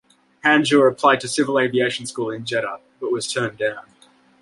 Hanjour applied to civil aviation school in Jeddah, but was turned down.